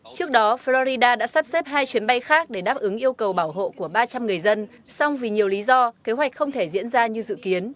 trước đó florida đã sắp xếp hai chuyến bay khác để đáp ứng yêu cầu bảo hộ của ba trăm linh người dân song vì nhiều lý do kế hoạch không thể diễn ra như dự kiến